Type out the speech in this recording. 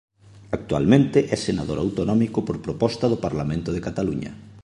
Actualmente é senador autonómico por proposta do Parlamento de Cataluña.